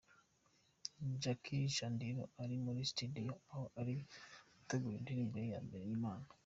Jackie Chandiru ari muri studio aho ari gutegura indirimbo ye ya mbere y’Imana.